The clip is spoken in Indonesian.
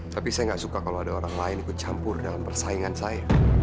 tapi saya nggak suka kalau ada orang lain ikut campur dalam persaingan saya